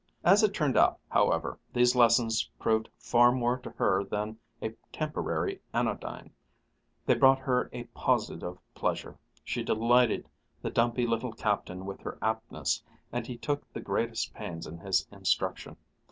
As it turned out, however, these lessons proved far more to her than a temporary anodyne: they brought her a positive pleasure. She delighted the dumpy little captain with her aptness, and he took the greatest pains in his instruction.